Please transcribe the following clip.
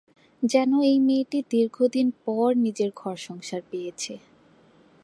যেন এই মেয়েটি দীর্ঘদিন পর নিজের ঘর-সংসার পেয়েছে।